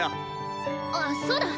あそうだ！